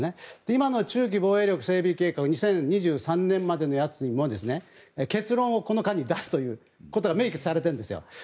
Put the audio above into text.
今の中期防衛力整備計画は２０２３年までのやつも結論をこの間に出すということが明記されているんですよ。